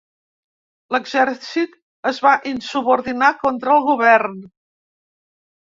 L'exèrcit es va insubordinar contra el govern.